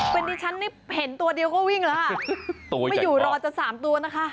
เป็นที่ฉันนี่เห็นตัวเดียวก็วิ่งเหรอค่ะไม่อยู่รอจากสามตัวนะคะ